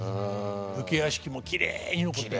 武家屋敷もきれいに残ってます。